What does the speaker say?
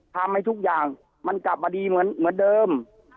ทำให้ทุกอย่างมันกลับมาดีเหมือนเดิม